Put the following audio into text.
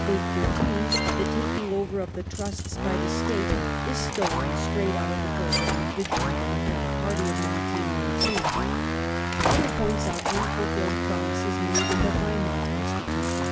Point 13, the taking over of the trusts by the State, is stolen straight out of the programme of the German Democratic Party of 1919. Other points are unfulfilled promises made in the Weimar Constitution.